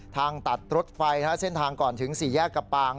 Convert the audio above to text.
ตัดรถไฟเส้นทางก่อนถึง๔แยกกระปาง